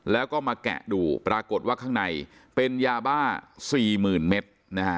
แล้วก็มาแกะดูปรากฏว่าข้างในเป็นยาบ้า๔๐๐๐เมตรนะฮะ